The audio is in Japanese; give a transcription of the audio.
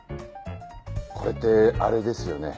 これってあれですよね？